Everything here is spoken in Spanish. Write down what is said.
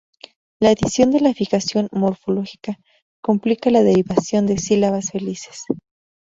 La adición de la fijación morfológica complica la derivación de sílabas felices.